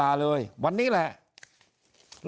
ถ้าท่านผู้ชมติดตามข่าวสาร